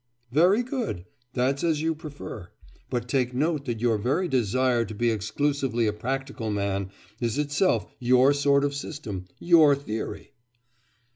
'Very good! That's as you prefer. But take note that your very desire to be exclusively a practical man is itself your sort of system your theory.